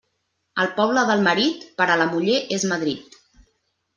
El poble del marit, per a la muller és Madrid.